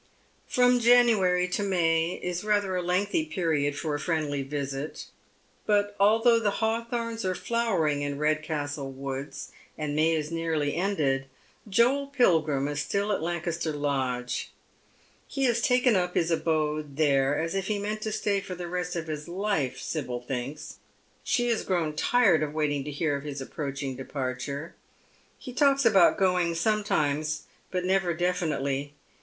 From January to May is rather a lengthy period for a fnendly visit, but although the hawthorns are flowering in RedcaHtlo woods, and May is nearlyended, Joel Pilgrim is still at Lancaster Lodge. He has taken up his abode there as if he meant to stay for the rest of his life, Sibyl thinks. She has grown tired of waiting to hear of his approaching departure. He talks about going sometimes, but never definitely.